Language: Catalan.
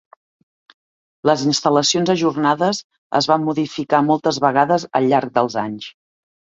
Les "instal·lacions ajornades" es van modificar moltes vegades al llarg dels anys.